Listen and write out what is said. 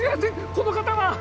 この方は？